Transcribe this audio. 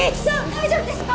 大丈夫ですか？